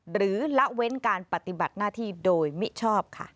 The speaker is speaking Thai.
ละเว้นการปฏิบัติหน้าที่โดยมิชอบค่ะ